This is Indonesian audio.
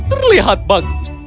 aku terlihat bagus